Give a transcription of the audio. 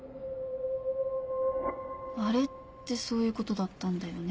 あれってそういうことだったんだよね？